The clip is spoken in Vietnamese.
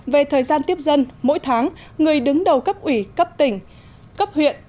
về thời gian tiếp dân mỗi tháng người đứng đầu cấp ủy cấp tỉnh cấp huyện